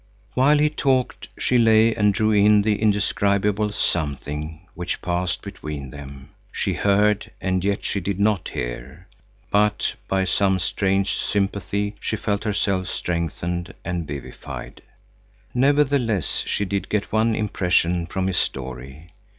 While he talked, she lay and drew in the indescribable something which passed between them. She heard and yet she did not hear. But by some strange sympathy she felt herself strengthened and vivified. Nevertheless she did get one impression from his story.